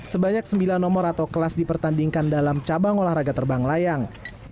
sebanyak sembilan nomor atau kelas dipertandingkan dalam cabang olahraga terbang layang